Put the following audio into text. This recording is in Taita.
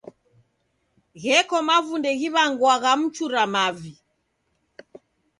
Gheko mavunde ghiw'anwagha mchura mavi.